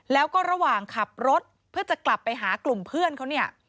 แล้วก็ระหว่างขับรถเพื่อจะกลับไปหากลุ่มเพื่อนเขาเนี่ย